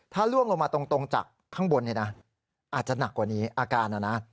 ถ้าล่วงลงมาตรงจากข้างบนเนี่ยนะอาจจะหนักกว่านี้อาการนะนะ